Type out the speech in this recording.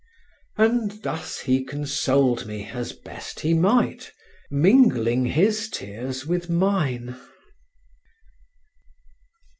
And thus he consoled me as best he might, mingling his tears with mine.